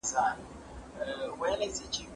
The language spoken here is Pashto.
چي ما وويني پر بله لار تېرېږي